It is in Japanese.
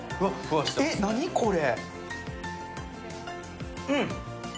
えっ、何これ？